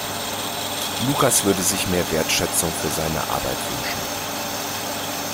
Lukas würde sich mehr Wertschätzung für seine Arbeit wünschen.